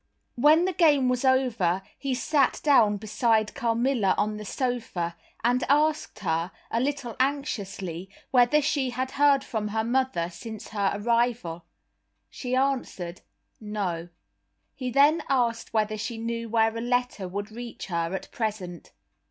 When the game was over he sat down beside Carmilla on the sofa, and asked her, a little anxiously, whether she had heard from her mother since her arrival. She answered "No." He then asked whether she knew where a letter would reach her at present.